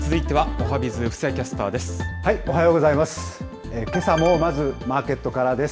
おはようございます。